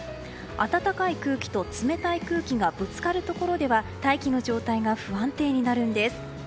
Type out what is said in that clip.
暖かい空気と冷たい空気がぶつかるところでは大気の状態が不安定になるんです。